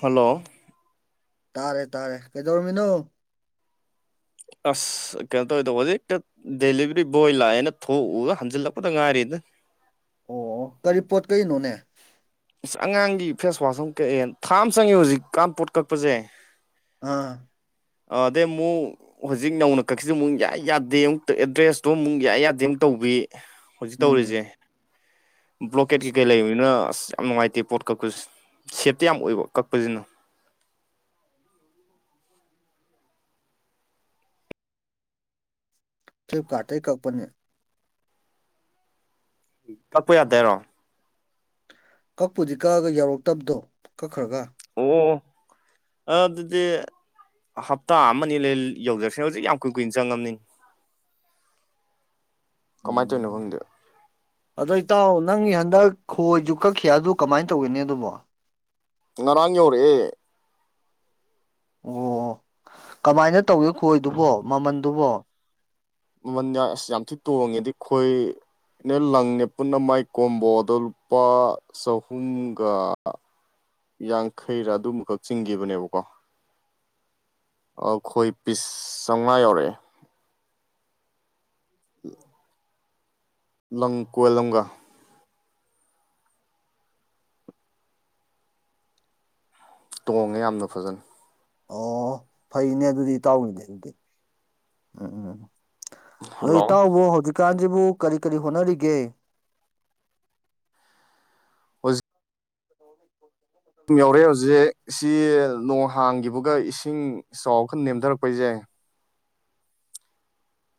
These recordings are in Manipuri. ꯍꯜꯂꯣ ꯇꯥꯔꯦ ꯇꯥꯔꯦ ꯀꯩꯗꯧꯔꯝꯃꯤꯅꯣ ꯑꯁ ꯀꯩꯅ ꯇꯣ ꯍꯧꯖꯤ ꯗꯦꯂꯤꯚꯔꯤ ꯕꯣꯏ ꯂꯥꯛꯑꯦꯅ ꯊꯣꯛꯎ ꯍꯟꯖꯤꯜꯂꯛꯄꯗ ꯉꯥꯏꯔꯤꯗ ꯑꯣ ꯀꯔꯤ ꯄꯣꯠ ꯀꯅꯣꯅꯦ ꯑꯁ ꯑꯉꯥꯡꯒꯤ ꯐꯦꯁꯋꯥꯁ ꯑꯃ ꯀꯛꯑꯦ ꯊꯥ ꯑꯃ ꯆꯪꯉꯦ ꯍꯧꯖꯤꯛꯀꯥꯟ ꯄꯣꯠ ꯀꯛꯄꯖꯦ ꯑꯥ ꯑ ꯑꯗꯩꯩꯃꯨ ꯍꯧꯖꯤꯛ ꯅꯧꯅ ꯀꯛꯁꯤ ꯑꯃꯨꯛ ꯌꯥꯏ ꯌꯥꯗꯦ ꯑꯃꯨꯛꯇ ꯑꯦꯗ꯭ꯔꯦꯁꯇꯣ ꯑꯃꯨꯛ ꯌꯥꯏ ꯌꯥꯗꯦ ꯑꯃꯨꯛ ꯇꯧꯕꯤ ꯍꯧꯖꯤꯛ ꯎꯝ ꯇꯧꯔꯤꯖꯦ ꯕ꯭ꯂꯣꯀꯦꯠ ꯑꯁ ꯀꯩꯀꯩ ꯂꯩꯕꯅꯤꯅ ꯑꯁ ꯌꯥꯝ ꯅꯨꯡꯉꯥꯏꯇꯦ ꯄꯣꯠ ꯀꯛꯄꯁꯦ ꯁꯦꯞꯇꯤ ꯌꯥꯝ ꯑꯣꯏꯕ ꯀꯛꯄꯖꯤꯅ ꯐ꯭ꯂꯤꯞꯀꯥꯔꯗꯇꯩꯒꯤ ꯀꯛꯄꯅꯦ ꯎ ꯇꯛꯄ ꯌꯥꯗꯦꯔꯣ ꯀꯛꯄꯨꯗꯤ ꯀꯛꯑꯒ ꯌꯥꯎꯔꯛꯇꯕꯗꯣ ꯀꯛꯈ꯭ꯔꯒ ꯑꯣ ꯑ ꯑꯗꯨꯗꯤ ꯍꯞꯇꯥ ꯑꯃ ꯑ ꯂꯩ ꯌꯧꯖꯔꯁꯦ ꯍꯧꯖꯤꯛ ꯌꯥꯝ ꯀꯨꯏ ꯀꯨꯏꯅ ꯆꯪꯉꯝꯅꯤ ꯀꯃꯥꯏ ꯇꯣꯏꯅꯣ ꯎꯝ ꯈꯪꯗꯦꯣ ꯑꯗꯣ ꯏꯇꯥꯎ ꯅꯪꯒꯤ ꯍꯟꯗꯛ ꯈꯣꯏꯖꯨ ꯀꯛꯈꯤ ꯑꯗꯨ ꯀꯃꯥꯏ ꯇꯧꯒꯦꯅꯦ ꯑꯗꯨꯕꯣ ꯉꯔꯥꯟ ꯌꯧꯔꯛꯑꯦ ꯑꯣ ꯀꯃꯥꯏꯅ ꯇꯧꯒꯦ ꯈꯣꯏꯗꯨꯕꯣ ꯃꯃꯜꯗꯨꯕꯣ ꯃꯃꯜꯒ ꯑꯁ ꯌꯥꯝ ꯊꯤ ꯇꯣꯡꯉꯦ ꯗꯨꯏꯈꯣꯏ ꯅꯦ ꯂꯪꯅꯦ ꯄꯨꯟꯅ ꯃꯥꯏ ꯀꯣꯝꯕꯣꯗ ꯂꯨꯄꯥ ꯆꯍꯨꯝꯒ ꯌꯥꯡꯈꯩꯔꯥ ꯑꯗꯨꯃꯈꯛ ꯆꯤꯡꯈꯤꯕꯅꯦꯕꯀꯣ ꯑꯩꯈꯣꯏ ꯄꯤꯁ ꯆꯥꯝꯉꯥ ꯌꯥꯎꯔꯛꯑꯦ ꯎꯝ ꯂꯪ ꯀꯣꯏꯜ ꯑꯃꯒꯥ ꯇꯣꯡꯉꯦ ꯌꯥꯝꯅ ꯐꯖꯅ ꯑꯣ ꯐꯩꯅꯦ ꯑꯗꯨꯗꯤ ꯏꯇꯥꯎꯒꯤꯗꯤ ꯑꯗꯨꯗꯤ ꯎꯝ ꯎꯝ ꯑꯗꯣ ꯍꯜꯂꯣ ꯏꯇꯥꯎꯕꯨ ꯍꯧꯖꯤꯛꯀꯥꯟꯖꯤꯕꯨ ꯀꯔꯤ ꯀꯔꯤ ꯍꯣꯠꯅꯔꯤꯒꯦ ꯣ [inaudible] ꯗꯨꯨꯝ ꯌꯧꯔꯛꯑꯦ ꯍꯧꯖꯤꯛ ꯁꯤ ꯅꯣꯡ ꯍꯥꯡꯒꯤꯕꯒ ꯏꯁꯤꯡ ꯆꯥꯎ ꯈ ꯅꯦꯝꯗꯔꯛꯄꯩꯖ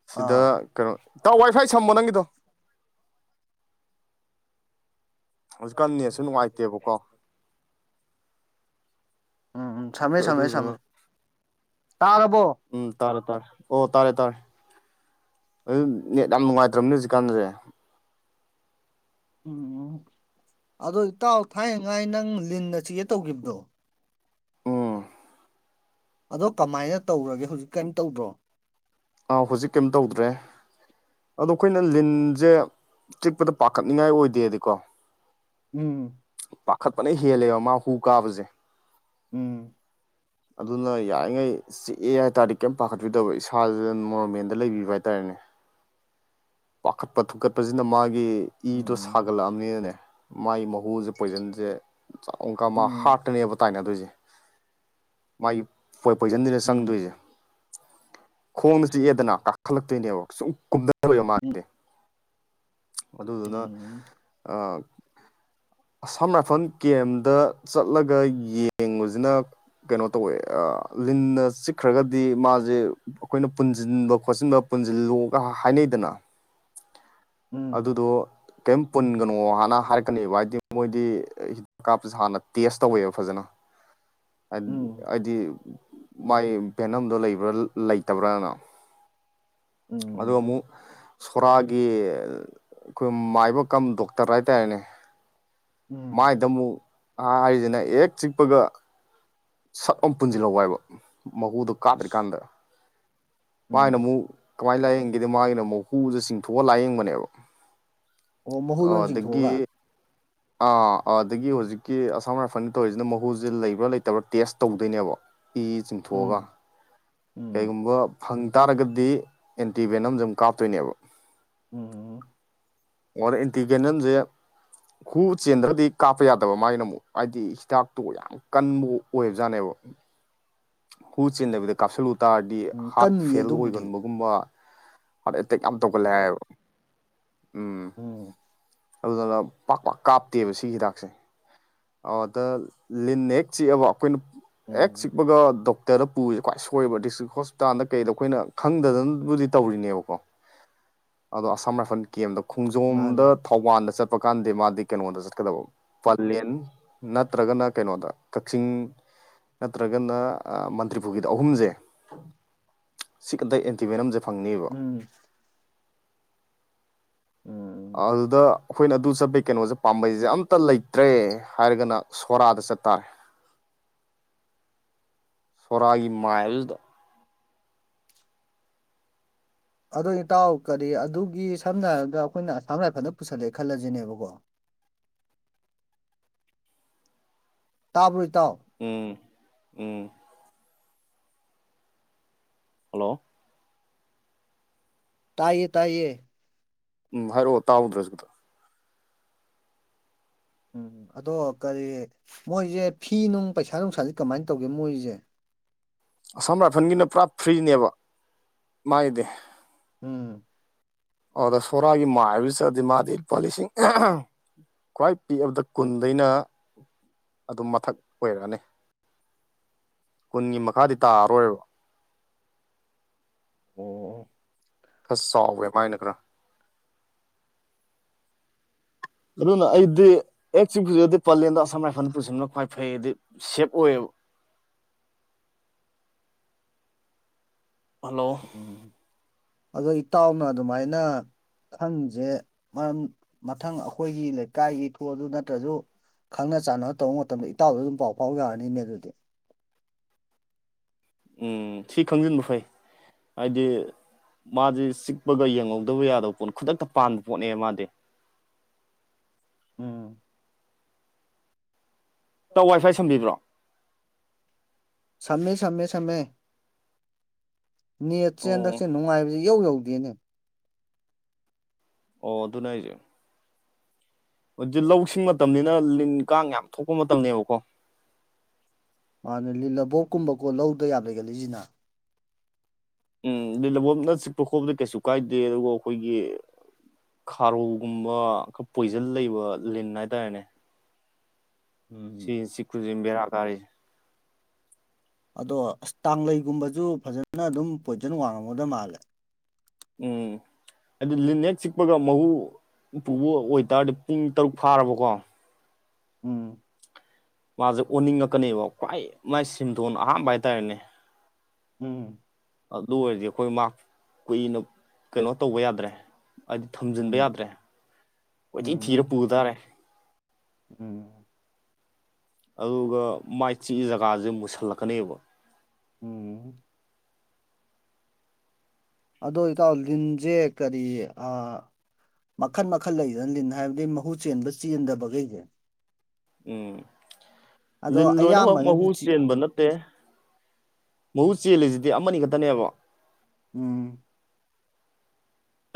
ꯁꯤꯗ ꯑꯥ ꯀꯩꯅꯣ ꯏꯇꯥꯎ ꯋꯥꯏ ꯐꯥꯏ ꯁꯝꯃꯣ ꯅꯪꯒꯤꯗꯣ ꯍꯧꯖꯤꯛꯀꯥꯟ ꯅꯦꯠꯁꯨ ꯅꯨꯡꯉꯥꯏꯇꯦꯕꯀꯣ ꯎꯝ ꯎꯝ ꯁꯝꯃꯦ ꯑꯗꯨ ꯁꯝꯃꯦ ꯑꯗꯨꯗꯨꯅ ꯁꯝꯃꯦ ꯇꯥꯔꯕꯣ ꯎꯝ ꯇꯥꯔꯦ ꯇꯥꯔꯦ ꯑꯣ ꯇꯥꯔꯦ ꯇꯥꯔꯦ ꯑꯗꯨ ꯅꯦꯠ ꯌꯥꯝ ꯅꯨꯡꯉꯥꯏꯇ꯭ꯔꯕꯅꯦ ꯍꯧꯖꯤꯛꯀꯥꯟꯖꯦ ꯎꯝ ꯑꯗꯣ ꯏꯇꯥꯎ ꯊꯥꯏꯅꯉꯥꯏ ꯅꯪ ꯂꯤꯟꯅ ꯆꯤꯛ ꯑꯦ ꯇꯧꯒꯤꯕꯗꯣ ꯎꯝ ꯑꯗꯣ ꯀꯃꯥꯏꯅ ꯇꯧꯔꯒꯦ ꯍꯧꯖꯤꯛ ꯀꯩꯝ ꯇꯧꯗ꯭ꯔꯣ ꯑꯥ ꯍꯧꯖꯤꯛ ꯀꯩꯝ ꯇꯧꯗ꯭ꯔꯦ ꯑꯗꯣ ꯑꯩꯈꯣꯏꯅ ꯂꯤꯟꯖꯦ ꯆꯤꯛꯄꯗ ꯄꯥꯈꯠꯅꯤꯉꯥꯏ ꯑꯣꯏꯗꯦꯗꯤꯀꯣ ꯎꯝ ꯄꯥꯈꯠꯄꯅ ꯍꯦꯜꯂꯦꯕ ꯃꯥ ꯍꯨ ꯀꯥꯕꯖꯦ ꯎꯝ ꯑꯗꯨꯅ ꯌꯥꯔꯤꯉꯩ ꯆꯤꯛꯑꯦ ꯍꯥꯏꯇꯥꯥꯔꯗꯤ ꯀꯔꯤꯝ ꯄꯥꯈꯠꯄꯤꯗꯕ ꯏꯁꯥꯖꯦ ꯅꯣꯔꯃꯦꯜꯗ ꯂꯩꯕꯤꯕ ꯍꯥꯏꯇꯥꯔꯦꯅꯦ ꯄꯥꯈꯠꯄ ꯊꯨꯞꯀꯠꯄꯁꯤꯅ ꯃꯥꯒꯤ ꯏꯗꯣ ꯎꯝ ꯐꯥꯒꯠꯂꯛꯑꯕꯅꯤꯅꯅꯦ ꯃꯥꯏ ꯃꯍꯨꯖꯦ ꯄꯣꯏꯖꯟꯖꯦ ꯆꯥꯎ ꯀꯃꯥ ꯎꯝ ꯍꯥꯠꯇꯅꯦꯕ ꯇꯥꯏꯅ ꯗꯣꯏꯖꯦ ꯃꯥꯒꯤ ꯄꯣꯏ ꯄꯣꯏꯖꯟꯖꯤꯗ ꯎꯝ ꯆꯪꯗꯣꯏꯖꯦ ꯈꯣꯡꯗ ꯆꯤꯛꯑꯦꯗꯅ ꯀꯥꯈꯠꯂꯛꯇꯣꯏꯅꯦꯕ ꯁꯨꯝ ꯀꯨꯝꯗꯔꯣꯏꯕ ꯃꯥ ꯎꯝ ꯑꯗꯨꯗꯨꯅ ꯎꯝ ꯑ ꯑꯁꯥꯝ ꯔꯥꯏꯐꯜ ꯀꯦꯝꯗ ꯆꯠꯂꯒ ꯌꯦꯡꯕꯖꯤꯅ ꯀꯩꯅꯣ ꯇꯧꯋꯦ ꯑ ꯂꯤꯟꯅ ꯆꯤꯛꯈ꯭ꯔꯒꯗꯤ ꯃꯥꯖꯦ ꯑꯈꯣꯏꯅ ꯄꯨꯟꯖꯤꯟꯕ ꯈꯣꯠꯆꯤꯟꯕ - ꯄꯨꯟꯖꯤꯜꯂꯨꯒ ꯍꯥꯏꯅꯩꯗꯅ ꯎꯝ ꯑꯗꯨꯗꯣ ꯀꯩꯝ ꯄꯨꯟꯒꯅꯣ ꯍꯥꯟꯅ ꯍꯥꯏꯔꯛꯀꯅꯤꯕ ꯍꯥꯏꯗꯤ ꯃꯣꯏꯗꯤ ꯀꯥꯞꯄꯁꯦ ꯍꯥꯟꯅ ꯇꯦꯁ ꯇꯧꯋꯦꯕ ꯐꯖꯅ ꯍꯥꯏꯗꯤ ꯃꯥꯏ ꯄꯚꯦꯅꯝꯗꯣ ꯂꯩꯕ꯭ꯔꯥ ꯂꯩꯇꯕ꯭ꯔꯅ ꯑ ꯎꯝ ꯎꯝ ꯑꯃꯨꯛ ꯁꯣꯔꯥꯒꯤ ꯑꯩꯈꯣꯏ ꯃꯥꯏꯕ ꯀꯝ ꯗꯣꯛꯇꯔ ꯍꯥꯏꯇꯥꯔꯦꯅꯦ ꯎꯝ ꯃꯥꯏꯗ ꯑꯃꯨꯛ ꯍꯥꯏꯔꯤꯁꯤꯅ ꯍꯦꯛ ꯆꯤꯛꯄꯒ ꯁꯛ ꯑꯃ ꯄꯨꯟꯁꯤꯜꯍ ꯍꯥꯏꯕ ꯃꯀꯨꯗꯣ ꯑꯁ ꯀꯥꯗ꯭ꯔꯤꯀꯥꯟꯗ ꯃꯥꯥꯏꯅ ꯎꯝ ꯑꯃꯨꯛ ꯀꯃꯥꯏꯅ ꯂꯥꯏꯌꯦꯡꯒꯦꯗ ꯃꯥꯒꯤꯅ ꯑꯃꯨꯛ ꯍꯨꯖꯦ ꯆꯤꯡꯊꯣꯛꯑꯒ ꯂꯥꯏꯌꯦꯡꯕꯅꯦꯕ ꯑꯣ ꯃꯍꯨ ꯂꯣꯏ ꯆꯤꯡꯊꯣꯛꯑꯒ ꯑꯗꯒꯤ ꯑꯥ ꯑꯗꯒꯤ ꯍꯧꯖꯤꯛꯀꯤ ꯑꯁꯥꯝ ꯔꯥꯏꯐꯜꯅ ꯇꯧꯔꯤꯖꯤꯅ ꯃꯍꯨꯖꯦ ꯂꯩꯕ꯭ꯔꯥ ꯂꯩꯇꯕ꯭ꯔꯥ ꯇꯦꯁ ꯇꯧꯗꯣꯏꯅꯦꯕ ꯏ ꯆꯤꯡꯊꯣꯛꯑꯒ ꯎꯝ ꯎꯝ ꯀꯩꯒꯨꯝꯕ ꯐꯪ ꯇꯥꯔꯒꯗꯤ ꯑꯦꯟꯇꯤꯚꯦꯟ ꯑꯃꯖꯨ ꯃꯨꯛ ꯀꯥꯞꯇꯣꯏꯅꯦꯕ ꯎꯝ ꯑꯣꯔ ꯑꯦꯟꯇꯤꯒꯦꯅꯜꯁꯦ ꯍꯨ ꯆꯦꯟꯗ꯭ꯔꯒꯗꯤ ꯀꯥꯞꯄ ꯌꯥꯗꯕ ꯃꯥꯒꯤꯅ ꯑꯃꯨꯛ ꯍꯥꯏꯗꯤ ꯍꯤꯗꯥꯛꯇꯨ ꯌꯥꯝ ꯀꯟꯕꯨ ꯑꯣꯏꯕꯖꯥꯠꯅꯦꯕ ꯍꯨ ꯆꯦꯟꯗꯕꯤꯗ ꯀꯥꯞꯁꯤꯜꯂꯨ ꯇꯥꯔꯗꯤ ꯎꯝ ꯍꯥꯔꯠ ꯀꯟꯅꯤꯌꯦ ꯐꯦꯜ ꯑꯗꯨꯕꯨꯗꯤ ꯑꯣꯏꯒꯟꯕ ꯒꯨꯝꯕ ꯍꯥꯔꯠ ꯑꯦꯇꯦꯛ ꯌꯥꯝ ꯇꯧꯒꯂꯦ ꯍꯥꯏꯌꯦꯕ ꯎꯝ ꯑꯣꯝ ꯑꯗꯨꯗꯨꯅ ꯄꯥꯛ ꯄꯥꯛ ꯀꯥꯞꯇꯦꯕ ꯁꯤꯒꯤ ꯍꯤꯗꯥꯛꯁꯦ ꯑꯗ ꯂꯤꯟꯅ ꯍꯦꯛ ꯆꯤꯛꯑꯕ ꯑꯩꯈꯣꯏꯅ ꯍꯦꯛ ꯎꯝ ꯆꯤꯛꯄꯒ ꯗꯣꯛ ꯗꯔꯗ ꯄꯨꯔꯤꯁꯦ ꯈ꯭ꯋꯥꯏ ꯁꯣꯏꯕ ꯗꯤꯁꯇ꯭ꯔꯤꯛ ꯍꯣꯁꯄꯤꯇꯥꯜꯗ ꯀꯩꯗ ꯑꯩꯈꯣꯏꯅ ꯈꯪꯗꯅꯕꯨꯗꯤ ꯇꯧꯔꯤꯅꯦꯕꯀꯣ ꯑꯗꯣ ꯑꯁꯥꯝ ꯔꯥꯏꯐꯜ ꯀ ꯑꯦꯝꯗ ꯃꯥꯅꯦ ꯈꯣꯡꯖꯣꯝꯗ ꯋꯥꯟꯗ ꯆꯠꯄ ꯀꯥꯟꯗꯦ ꯃꯥꯗꯤ ꯀꯩꯅꯣꯗ ꯆꯠꯀꯗꯕ ꯄꯂꯦꯟ ꯅꯠꯇ꯭ꯔꯒꯅ ꯀꯩꯅꯣꯗ ꯀꯛꯆꯤꯡ ꯅꯠꯇ꯭ꯔꯒꯅ ꯃꯟꯇ꯭ꯔꯤꯄꯨꯒꯤꯗ ꯑꯍꯨꯝꯁꯦ ꯁꯤ ꯑꯗ ꯑꯦꯟꯇꯤꯃꯅꯝꯁꯦ ꯐꯪꯅꯦꯕ ꯎꯝ ꯎꯝ ꯑꯗꯨꯗ ꯑꯩꯈꯣꯏꯅ ꯑꯗꯨ ꯆꯠꯄꯩ ꯀꯩꯅꯣꯁꯦ ꯄꯥꯝꯕꯩꯁꯦ ꯑꯝꯇ ꯂꯩꯇ꯭ꯔꯦ ꯍꯥꯏꯔꯒꯅ ꯁꯣꯔꯥꯗ ꯆꯠꯇꯥꯔꯦ ꯁꯣꯔꯥꯒꯤ ꯃꯥꯏꯜꯗ ꯑꯗꯨ ꯏꯇꯥꯎ ꯀꯔꯤ ꯑꯗꯨꯒꯤ ꯁꯝꯅ ꯍꯥꯏꯔꯕꯗ ꯑꯩꯈꯣꯏꯅ ꯑꯁꯥꯝ ꯔꯥꯏꯐꯗ ꯄꯨꯁꯜꯂꯦ ꯈꯜꯂꯁꯤꯅꯦꯕꯀꯣ ꯇꯥꯕ꯭ꯔꯣꯏ ꯇꯥꯎꯑꯣ ꯎꯝ ꯎꯝ ꯍꯜꯂꯣ ꯇꯥꯏꯌꯦ ꯇꯥꯏꯌꯦ ꯎꯝ ꯍꯥꯏꯔꯛꯑꯣ ꯇꯥꯎꯎꯗ꯭ꯔꯁꯨꯗꯣ ꯎꯝ ꯑꯗꯣ ꯀꯔꯤ ꯃꯣꯏꯁꯦ ꯐꯤ ꯅꯨꯡ ꯄꯩꯁꯥ ꯅꯨꯡꯁꯥꯥꯁ ꯀꯃꯥꯏꯅ ꯇꯧꯒꯦ ꯃꯣꯏꯁꯦ ꯑꯁꯥꯝ ꯔꯥꯏꯐꯜꯒꯤꯅ ꯄꯨꯔꯥ ꯐ꯭ꯔꯤꯅꯦꯕ ꯃꯥꯒꯤꯗꯤ ꯎꯝ ꯑꯗ ꯁꯣꯔꯥꯒꯤ ꯃꯥꯥꯏ ꯍꯥꯏꯕꯗꯨ ꯆꯠꯗꯤ ꯃꯥꯗꯤ ꯂꯨꯄꯥ ꯂꯤꯁꯤꯡ ꯈ꯭ꯋꯥꯏ ꯄꯤꯛꯑꯕꯗ ꯀꯨꯟꯗꯩꯅ ꯑꯗꯨꯝ ꯃꯊꯛ ꯑꯣꯏꯔꯛꯑꯅꯤ ꯀꯨꯟꯒꯤ ꯃꯈꯥꯗꯤ ꯇꯥꯔꯔꯣꯏꯕ ꯑꯣ ꯈꯔ ꯆꯥꯎꯋꯦ ꯃꯥꯏꯅ ꯈꯔ ꯑꯗꯨꯅ ꯑꯩꯗꯤ ꯑꯦꯛ ꯆꯄꯁꯤꯗꯗꯤ ꯄꯂꯦꯟꯗ ꯑꯁꯥꯝ ꯔꯥꯏꯐꯜꯗ ꯄꯨꯁꯤꯟꯕꯅ ꯈ꯭ꯋꯥꯏ ꯐꯩꯗꯤ ꯁꯦꯞ ꯑꯣꯏꯌꯦꯕ ꯍꯜꯂꯣ ꯎꯝ ꯑꯗꯣ ꯏꯇꯥꯎꯅ ꯑꯗꯨꯃꯥꯏꯅ ꯈꯪꯁꯦ ꯃꯔꯝ ꯃꯊꯪ ꯑꯩꯈꯣꯏꯒꯤ ꯂꯩꯀꯥꯏꯒꯤ ꯊꯣꯛꯑ ꯑꯗꯨ ꯅꯠꯇ꯭ꯔꯁꯨ ꯈꯪꯅ ꯆꯥꯟꯅ ꯇꯧꯕ ꯃꯇꯝꯗ ꯏꯇꯥꯎꯗ ꯑꯗꯨꯝ ꯄꯥꯎ ꯐꯥꯎ ꯌꯥꯔꯅꯤꯅꯦ ꯑꯗꯨꯗꯤ ꯎꯝ ꯁꯤ ꯈꯪꯖꯤꯟꯕ ꯐꯩ ꯍꯥꯏꯗꯤ ꯃꯥꯗꯤ ꯆꯤꯛꯄꯒ ꯌꯦꯡꯍꯧꯗꯕ ꯌꯥꯗꯕ ꯄꯣꯠ ꯈꯨꯗꯛꯇ ꯄꯥꯟꯕ ꯄꯣꯠꯅꯦ ꯃꯥꯗꯤ ꯎꯝ ꯇ ꯋꯥꯏ ꯐꯥꯏ ꯁꯝꯕꯤꯕ꯭ꯔꯣ ꯁꯝꯃꯦ ꯁꯝꯃꯦ ꯁꯝꯃꯦ ꯅꯦꯠ ꯑꯣ ꯆꯦꯟꯗꯛꯁꯦ ꯅꯨꯡꯉꯥꯏꯕꯁꯤ ꯌꯧ ꯌꯧꯗꯦꯅꯦ ꯑꯣ ꯑꯗꯨ ꯑꯩꯁꯦ ꯍꯧ ꯂꯧ ꯁꯤꯡ ꯃꯇꯝꯅꯤꯅ ꯂꯤꯟ ꯀꯥꯡ ꯌꯥꯝ ꯊꯣꯛꯄ ꯃꯇꯝꯅꯦꯕꯀꯣ ꯃꯥꯅ ꯂꯤꯜꯂꯕꯣꯛꯀꯨꯝꯕꯀꯣ ꯂꯧꯗ ꯌꯥꯝ ꯂꯩꯒꯠꯂꯤꯏꯁꯤꯅ ꯎꯝ ꯂꯤꯜꯂꯕꯣꯞꯅ ꯆꯤꯛꯄ ꯈꯣꯕꯗ ꯀꯩꯁꯨ ꯀꯥꯏꯗꯦ ꯑꯗꯨꯒ ꯑꯩꯈꯣꯏꯒꯤ ꯈꯥꯔꯣꯒꯨꯝꯕ ꯈꯔ ꯄꯣꯏꯖꯟ ꯂꯩꯕ ꯂꯤꯟ ꯍꯥꯏꯇꯥꯔꯦꯅꯦ ꯎꯝ ꯁꯤꯁꯤꯈꯁꯤ ꯕꯔꯥ ꯀꯥꯔꯤ ꯑꯗꯣ ꯑꯁ ꯇꯥꯡꯂꯩꯒꯨꯝꯕꯁꯨ ꯐꯖꯅ ꯑꯗꯨꯝ ꯄꯣꯏꯁꯟ ꯋꯥꯡꯉꯝꯒꯗꯕ ꯃꯥꯜꯂꯦ ꯎꯝ ꯍꯥꯏꯗꯤ ꯂꯤꯟꯅꯦꯛ ꯆꯤꯛꯄꯒ ꯃꯍꯨ ꯄꯨꯕ ꯑꯣꯏꯇꯥꯔꯗꯤ ꯄꯨꯡ ꯇꯔꯨꯛ ꯐꯥꯔꯕꯀꯣ ꯎꯝ ꯃꯥꯁꯦ ꯑꯣꯟꯅꯤꯡꯉꯛꯀꯅꯦꯕ ꯈ꯭ꯋꯥꯏ ꯃꯥꯏ ꯁꯤꯝꯗꯣꯟ ꯑꯍꯝꯕ ꯍꯥꯏꯇꯥꯔꯦꯅꯦ ꯎꯝ ꯑꯗꯨ ꯑꯣꯏꯔꯗꯤ ꯑꯩꯈꯣꯏ ꯃꯥ ꯀꯨꯏꯅ ꯀꯩꯅꯣ ꯇꯧꯕ ꯌꯥꯗ꯭ꯔꯦ ꯍꯥꯏꯗꯤ ꯊꯝꯖꯤꯟꯕ ꯎꯝ ꯌꯥꯗ꯭ꯔꯦ ꯀꯣꯏꯊꯤ ꯊꯤꯔ ꯎꯝ ꯄꯨꯕ ꯇꯥꯔꯦ ꯎꯝ ꯑꯗꯨꯒ ꯃꯥꯏ ꯆꯤꯛꯏ ꯖꯒꯥꯁꯦ ꯃꯨꯁꯜꯂꯛꯀꯅꯦꯕ ꯎꯝ ꯑꯗꯣ ꯏꯇꯥꯎ ꯂꯤꯟꯁꯦ ꯀꯔꯤ ꯃꯈꯟ ꯃꯈꯜ ꯂꯩꯗꯅ ꯂꯤꯟ ꯍꯥꯏꯕꯗꯤ ꯃꯍꯨ ꯆꯦꯟꯕ ꯆꯦꯟꯗꯕꯈꯩꯁꯦ ꯎꯝ ꯑꯗꯣ ꯂꯤꯜ ꯂꯣꯏꯅꯃꯛ ꯃꯍꯨ ꯑꯌꯥꯝꯕꯅꯗꯤ ꯆꯤ ꯆꯦꯟꯕ ꯅꯠꯇꯦ ꯃꯍꯨ ꯆꯦꯜꯂꯤꯁꯤꯗꯤ ꯑꯃꯅꯤ ꯈꯛꯇꯅꯦꯕ ꯎꯝ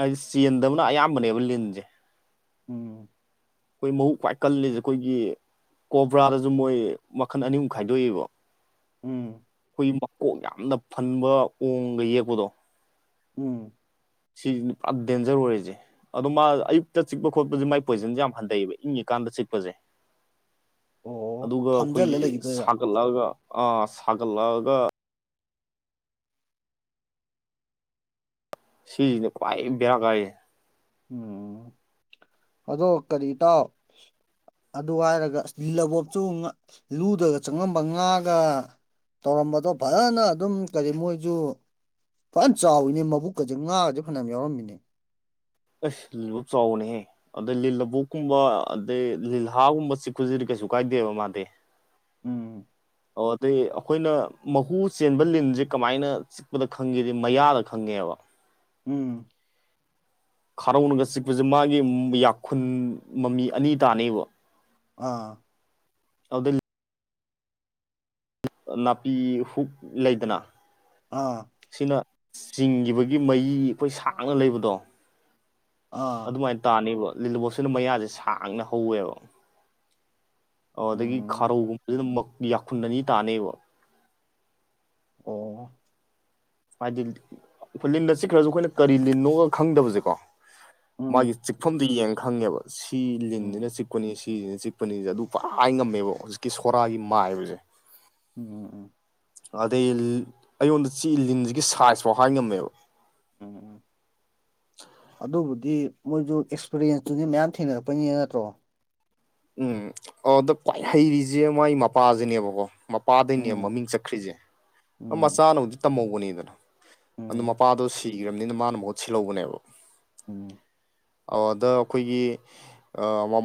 ꯑꯩꯗꯤ ꯆꯦꯟꯗꯕꯅ ꯑꯌꯥꯝꯕꯅꯦꯕ ꯂꯤꯟꯁꯦ ꯎꯝ ꯑꯩꯈꯣꯏ ꯃꯍꯛ ꯄ꯭ꯏ ꯀꯜꯂꯤꯁꯦ ꯑꯩꯈꯣꯏꯒꯤ ꯀꯣꯕ꯭ꯔꯥꯗꯁꯨ ꯃꯣꯏ ꯃꯈꯟ ꯑꯅꯤꯃꯨꯛ ꯈꯥꯏꯗꯣꯛꯏꯕ ꯎꯝ ꯃꯀꯣꯡ ꯌꯥꯝꯅ ꯐꯟꯕ ꯑꯣꯡꯒ ꯌꯦꯛꯄꯗꯣ ꯎꯝ ꯁꯤꯁꯤ ꯄꯨꯔꯥ ꯗꯦꯟꯖꯔ ꯑꯣꯏꯔꯤꯁꯦ ꯑꯗꯣ ꯃꯥ ꯑꯌꯨꯛꯇ ꯆꯤꯛꯄ ꯈꯣꯠꯄꯁꯦ ꯃꯒꯤ ꯄꯣꯏꯖꯟꯁꯦ ꯌꯥꯝ ꯍꯟꯊꯩꯑꯕ ꯏꯪꯉꯤꯀꯥꯟꯗ ꯆꯤꯛꯄꯁꯦ ꯑꯣ ꯑꯗꯨꯒ ꯐꯝꯖꯤꯜꯂ ꯑꯩꯈꯣꯏꯒꯤ ꯂꯩꯈꯤꯗꯣꯏꯔꯥ ꯁꯥꯒꯠꯂꯛꯑꯒ ꯑꯥ ꯁꯥꯒꯠꯂꯛꯑꯒ ꯁꯤꯁꯤꯅ ꯈ꯭ꯋꯥꯏ ꯕꯦꯔꯥ ꯀꯥꯏ ꯎꯝ ꯑꯗꯣ ꯀꯔꯤ ꯇꯥꯎ ꯑꯗꯨ ꯍꯥꯏꯔꯒꯜ ꯂꯕꯣꯞꯁꯨ ꯂꯨꯗꯒ ꯆꯪꯉꯝꯕ ꯉꯥꯒ ꯇꯧꯔꯝꯕꯗꯣ ꯐꯖꯅ ꯑꯗꯨꯝ ꯀꯔꯤ ꯃꯣꯏꯁꯨ ꯐꯅ ꯆꯥꯎꯋꯅꯦ ꯃꯕꯨꯛꯀꯁꯦ ꯉꯥꯒꯗꯤ ꯐꯅꯌꯥꯝ ꯌꯥꯎꯔꯝꯃꯤꯅꯦ ꯑꯁ ꯂꯨꯞ ꯆꯥꯎꯅꯦꯍꯦ ꯑꯗꯩ ꯂꯤꯜ ꯂꯕꯨꯣꯛꯛꯀꯨꯝꯕ ꯑꯗꯩ ꯂꯤꯜꯍꯥꯒꯨꯝꯕ ꯆꯤꯛꯄꯁꯤꯗꯤ ꯀꯩꯁꯨ ꯀꯥꯏꯗꯦꯕ ꯃꯥꯗꯤ ꯎꯝ ꯑꯣ ꯑꯗꯩ ꯑꯩꯈꯣꯏꯅ ꯃꯍꯨ ꯆꯦꯟꯕ ꯂꯤꯟꯁꯦ ꯀꯃꯥꯏꯅ ꯆꯤꯛꯄꯗ ꯈꯪꯈꯤꯦꯗꯤ ꯃꯌꯥꯗ ꯈꯪꯉꯦꯕ ꯎꯝ [unintelligible] ꯈꯥꯔꯧꯅꯒ ꯆꯤꯛꯄꯁꯦ ꯃꯥꯒꯤ ꯌꯥꯈꯨꯟ ꯃꯃꯤ ꯑꯅꯤ ꯇꯥꯅꯕ ꯑꯥ ꯑꯗꯨ ꯅꯥꯄꯤ ꯍꯨꯛ ꯂꯩꯗꯅ ꯑꯥ ꯁꯤꯅ ꯆꯤꯡꯈꯤꯕꯒꯤ ꯃꯤ ꯑꯩꯈꯣꯏ ꯁꯥꯡꯅ ꯂꯩꯕꯗꯣ ꯑꯥ ꯑꯗꯨꯃꯥꯏꯅ ꯇꯥꯅꯤꯕ ꯂꯤꯂꯕꯣꯠꯁꯤꯅ ꯃꯌꯥꯁꯦ ꯁꯥꯡꯅ ꯍꯧꯋꯦꯕ ꯑꯣ ꯑꯗꯒꯤ ꯎꯝ ꯈꯥꯔꯧꯒꯨꯝꯕꯁꯤꯅ ꯌꯥꯈꯨꯟ ꯑꯅꯤ ꯇꯥꯅꯩꯕ ꯑꯣ ꯍꯥꯏꯗꯤ ꯑꯩꯈꯣꯏ ꯂꯤꯟꯗ ꯆꯤꯛꯈ꯭ꯔꯁꯨ ꯑꯩꯈꯣꯏꯅ ꯀꯔꯤ ꯂꯤꯟꯅꯣꯒ ꯈꯪꯗꯕꯁꯦꯀꯣ ꯃꯥꯒꯤ ꯎꯝ ꯆꯤꯛꯐꯝꯗꯨ ꯌꯦꯡ ꯈꯪꯉꯦꯕ ꯁꯤ ꯂꯤꯡꯅꯤꯅ ꯎꯝ ꯎꯝ ꯆꯤꯛꯄꯅꯤ ꯁꯤꯁꯤꯅ ꯆꯤꯛꯄꯅꯤꯁꯦ ꯑꯗꯨ ꯄꯨꯔꯥ ꯉꯝꯃꯦꯕ ꯍꯧꯖꯤꯛꯀꯤ ꯁꯣꯔꯥꯒꯤ ꯃꯥꯏꯕꯁꯦ ꯎꯝ ꯎ ꯎꯝ ꯑꯗꯩ ꯑꯩꯉꯣꯟꯗ ꯆ ꯂꯤꯟꯁꯤꯒꯤ ꯁꯥꯏꯖꯐꯥꯎ ꯍꯥꯏ ꯉꯝꯃꯦꯕ ꯎꯝ [unintelligible] [inaudible] ꯑꯗꯨꯕꯨꯗꯤ ꯃꯣꯏꯁꯨ ꯑꯦꯛꯁꯄꯔꯤꯟꯁꯇꯨꯗꯤ ꯃꯌꯥꯝ ꯊꯦꯡꯅꯔꯛꯄꯅꯤ ꯅꯠꯇ꯭ꯔꯣ ꯎꯝ ꯑꯗ ꯄ꯭ꯋꯥꯏ ꯍꯩꯔꯤꯁꯦ ꯃꯥꯏ ꯃꯄꯥꯁꯤꯅꯦꯕꯀꯣ ꯃꯄꯥꯗꯩꯅꯦ ꯎꯝ ꯃꯃꯤꯡ ꯆꯠꯈ꯭ꯔꯤꯁꯦ ꯎꯝ ꯃꯆꯥꯅꯕꯨꯗꯤ ꯇꯝꯍꯧꯕꯅꯦꯗꯅ ꯑꯗꯨ ꯎꯝ ꯃꯄꯥꯗꯣ ꯁꯤꯈ꯭ꯔꯕꯅꯤꯅ ꯃꯥꯅ ꯃꯍꯨꯠ ꯁꯤꯜꯍꯧꯕꯅꯦꯕ ꯎꯝ [inaudible] [unintelligible] ꯑꯗ ꯑꯩꯈꯣꯏꯒꯤ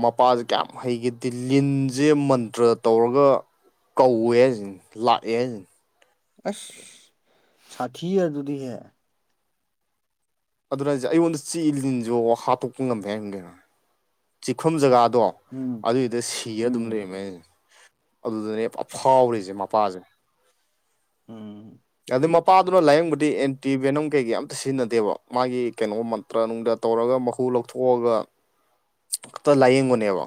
ꯃꯄꯥ ꯀꯌꯥꯝ ꯍꯩꯒꯦꯗꯤ ꯂꯤꯟꯁꯦ ꯃꯟꯇ꯭ꯔ ꯇꯧꯔꯒ ꯀꯧꯋꯦ ꯍꯥꯏꯁꯤꯅꯤ ꯂꯥꯛꯑꯦ ꯍꯥꯏꯖꯤꯅꯤ ꯑꯁ ꯁꯥꯇꯤ ꯑꯗꯨꯗꯤ ꯍꯦ ꯑꯗꯨꯅꯁꯦ ꯑꯩꯉꯣꯟꯗ ꯆꯤ ꯏ ꯂꯤꯟꯁꯨ ꯍꯥꯠꯇꯣꯛꯄ ꯉꯝꯃꯦ ꯍꯥꯏꯔꯝꯗꯩꯅꯣ ꯆꯤꯛꯐꯝ ꯖꯒꯥꯗꯣ ꯎꯝ ꯑꯗꯨꯏꯗ ꯁꯤꯔ ꯑꯗꯨꯝ ꯎꯝ ꯂꯩꯔꯝꯃꯦ ꯑꯗꯨꯗꯅꯦ ꯑꯐꯥꯎꯔꯤꯁꯦ ꯃꯄꯥꯁꯦ ꯎꯝ ꯑꯗꯨ ꯅꯨꯄꯥꯗꯨꯅ ꯂꯥꯏꯌꯦꯡꯕꯗꯤ ꯑꯦꯟꯇꯤ ꯕꯦꯅꯝ ꯀꯩꯀꯩ ꯑꯝꯇ ꯁꯤꯖꯤꯟꯅꯗꯦꯕ ꯃꯥꯒꯤ ꯀꯩꯅꯣ ꯃꯟꯇ꯭ꯔ ꯅꯨꯡꯗ ꯇꯧꯔꯒ ꯃꯍꯨ ꯂꯧꯊꯣꯛꯑꯒ ꯈꯛꯇ ꯂꯥꯏꯌꯦꯡꯕꯅꯦꯕ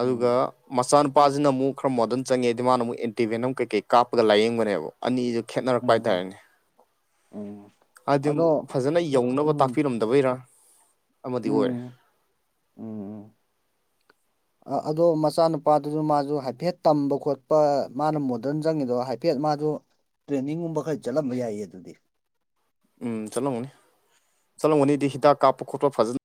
ꯑꯗꯨꯒ ꯎꯝ ꯃꯆꯥꯅꯨꯄꯥꯁꯤꯅ ꯑꯃꯨꯛ ꯈꯔ ꯃꯣꯗꯔꯟ ꯆꯪꯉꯦ ꯍꯥꯏꯗꯤ ꯃꯥꯅꯨꯛ ꯑꯦꯟꯇꯤꯚꯦꯅꯝ ꯀꯩꯀꯩ ꯀꯥꯞꯄꯒ ꯂꯥꯏꯌꯦꯡꯕꯅꯦꯕ ꯑꯅꯤꯁꯨ ꯈꯦꯠꯅꯔꯛꯄ ꯎꯝ ꯍꯥꯏꯇꯥꯔꯦꯅꯦ ꯎꯝ ꯑꯗꯨ ꯑꯗꯣ ꯐꯖꯅ ꯌꯧꯅꯕ ꯇꯥꯛꯄꯤꯔꯝꯗꯕꯩꯔꯥ ꯑꯃꯗꯤ ꯑꯣꯏꯔꯦ ꯎꯝ ꯎꯝ ꯎꯝ [unintelligible] [inaudible] [unintelligible] [inaudible] ꯑꯗꯣ ꯃꯆꯥꯅꯨꯄꯥꯗꯨꯁꯨ ꯃꯥꯁꯨ ꯍꯥꯏꯐꯦꯠ ꯇꯝꯕ ꯈꯣꯠꯄ ꯃꯥꯅ ꯃꯣꯗꯔꯟ ꯆꯪꯉꯤꯗꯣ ꯍꯥꯏ ꯍꯥꯏꯐꯦꯠ ꯃꯥꯗꯣ ꯇ꯭ꯔꯦꯟꯅꯤꯡꯒꯨꯝꯕ ꯈꯔ ꯆꯠꯂꯝꯕ ꯌꯥꯏꯌꯦ ꯑꯗꯨꯗꯤ ꯎꯝ ꯆꯠꯂꯝꯒꯅꯤ ꯆꯠꯂꯝꯒꯅꯤꯗꯤ ꯍꯤꯗꯥꯛ ꯀꯥꯞꯄ ꯈꯣꯠꯄ ꯐꯖꯅ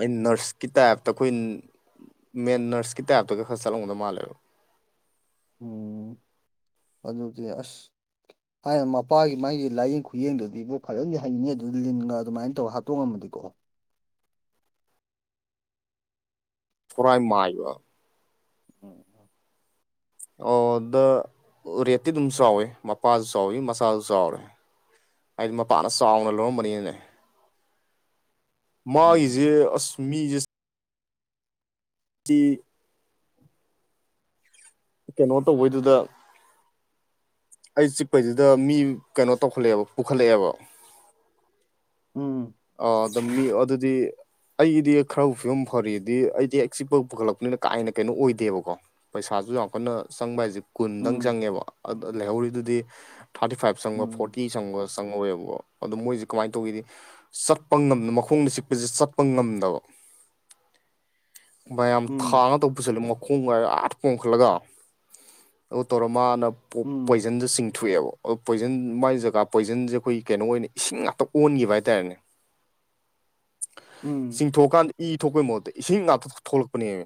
ꯑ ꯅꯔꯁꯀꯤ ꯇꯥꯏꯞꯇ ꯑꯩꯈꯣꯏ ꯃꯦꯟ ꯅꯔꯁꯀꯤ ꯇꯥꯏꯞꯇꯒ ꯈꯔ ꯆꯠꯂꯝꯒꯗꯧ ꯃꯥꯜꯂꯦꯕ ꯑꯥꯗꯨꯗꯤ ꯑꯁ ꯑ [unintelligible] [inaudible] ꯍꯥꯏꯅ ꯃꯄꯥꯒꯤ ꯃꯥꯒꯤ ꯂꯥꯏꯌꯦꯡ ꯈꯨꯌꯦꯡꯗꯨꯗꯤꯕꯨ ꯐꯖꯅꯗꯤ ꯍꯥꯏꯩꯅꯤꯡꯅꯤ ꯑꯗꯨ ꯂꯤꯟꯒ ꯑꯗꯨꯃꯅ ꯇꯧꯔꯒ ꯍꯥꯞꯠꯇꯣꯛꯉꯝꯃꯗꯤꯀꯣ ꯄꯨꯔꯥꯏ ꯃꯥꯏꯌ ꯎꯝ ꯎꯝ [inaudible] [unintelligible] ꯑꯣ ꯗ ꯔꯦꯠꯇꯤ ꯑꯗꯨꯝ ꯆꯥꯎꯋꯦ ꯃꯄꯥꯁꯨ ꯆꯥꯎꯋꯤ ꯃꯆꯥꯁꯨ ꯆꯥꯎꯋꯦ ꯑꯩꯗꯤ ꯃꯄꯥꯟꯅ ꯆꯥꯎꯅ ꯂꯧꯔꯝꯕꯅꯤꯅꯅꯦ ꯃꯥꯒꯤꯁꯦ ꯎꯝ ꯑꯁ ꯃꯤꯁ [unintelligible] [inaudible] ꯀꯩꯅꯣ ꯇꯧꯕꯩꯗꯨꯗ ꯑꯩ ꯆꯤꯛꯄꯩꯁꯤꯗ ꯃꯤ ꯀꯩꯅꯣ ꯇꯧꯈꯠꯂꯛꯑꯦꯕ ꯄꯨꯈꯠꯂꯛꯑꯦꯕ ꯎꯝ ꯑ ꯑꯗꯨꯝ ꯃꯤ ꯑꯗꯨꯗꯤ ꯑꯩꯒꯤꯗꯤ ꯈꯔꯕꯨ ꯐꯤꯕꯝ ꯐꯥꯔꯤꯗꯤ ꯑꯩꯗꯤ ꯑ ꯆꯤꯛꯄ ꯄꯨꯈꯠꯂꯛꯄꯅꯤꯅ ꯀꯥꯏꯅ ꯀꯩꯅꯣ ꯑꯣꯏꯗꯦꯕꯀꯣ ꯄꯩꯁꯥꯁꯨ ꯌꯥꯝ ꯀꯟꯅ ꯆꯪꯕ ꯍꯥꯏꯁꯦ ꯀꯨꯟꯗꯪ ꯎꯝ ꯆꯪꯉꯦꯕ ꯂꯩꯍꯧꯔꯤꯗꯨꯗꯤ ꯊꯥꯔꯇꯤ ꯐꯥꯏꯚ ꯆꯪꯕ ꯎꯝ ꯐꯣꯔꯇꯤ ꯆꯪꯕ ꯆꯪꯉꯋꯦꯕꯀ ꯑꯗꯣ ꯃꯣꯏꯁꯦ ꯀꯃꯥꯏꯅ ꯇꯧꯒꯤꯗꯤ ꯆꯠꯄ ꯉꯝꯗ ꯃꯈꯣꯡꯗ ꯆꯤꯛꯄꯁꯦ ꯆꯠꯄ ꯉꯝꯗꯕ ꯌꯥꯝ ꯎꯝ ꯎꯝ ꯊꯥꯅ ꯇ ꯄꯨꯁꯜ ꯈꯣꯡ ꯉꯔ ꯑꯥꯠ ꯄꯣꯝꯈꯠꯂꯒ ꯑꯗꯨ ꯇꯧꯔ ꯃꯥꯅ ꯎꯝ ꯄꯣꯏꯖꯟꯗ ꯆꯤꯡꯊꯣꯛꯑꯦꯕ ꯄꯣꯏꯖꯟ ꯃꯥꯏ ꯖꯒꯥ ꯄꯣꯏꯖꯟꯁꯦ ꯑꯩꯈꯣꯏꯒꯤ ꯀꯩꯅꯣ ꯑꯣꯏꯅ ꯏꯁꯤꯡ ꯉꯥꯛꯇ ꯑꯣꯟꯈꯤꯕ ꯍꯥꯏꯇꯥꯔꯦꯅꯦ ꯎꯝ ꯆꯤꯡꯊꯣꯛꯑꯀꯥꯟꯗ ꯏ ꯊꯣꯛꯄꯩ ꯃꯍꯨꯠꯇ ꯏꯁꯤꯡ ꯉꯥꯛꯇꯣꯛ ꯊꯣꯛꯂꯛꯄꯅꯦꯕ